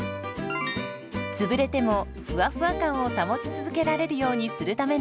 つぶれてもふわふわ感を保ち続けられるようにするためなんです。